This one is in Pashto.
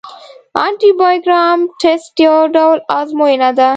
انټي بایوګرام ټسټ یو ډول ازموینه ده.